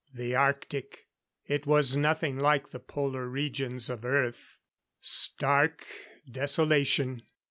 The arctic! It was nothing like the Polar regions of Earth. Stark desolation.